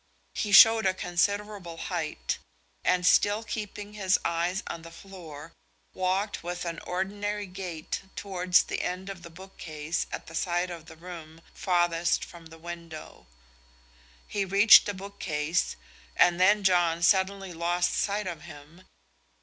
He showed a considerable height; and still keeping his eyes on the floor, walked with an ordinary gait towards the end of the bookcase at the side of the room farthest from the window. He reached the bookcase, and then John suddenly lost sight of him.